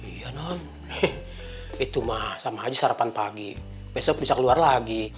iya non itu mah sama aja sarapan pagi besok bisa keluar lagi